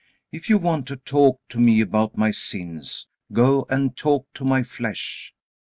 If you want to talk to me about my sins, go and talk to my flesh.